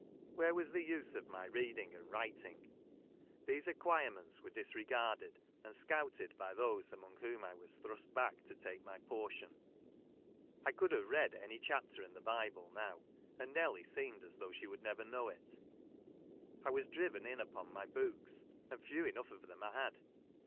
Where was the use of my reading and writing '? These acquirements were disregarded and scouted by those among whom I was thrust back to take my portion. I could have read any chapter in the Bible IIOAV ; and Nelly seemed as though she woxild never know it. I was driven in upon my books ; and few enough of them I had.